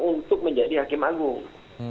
untuk menjadi hakim agung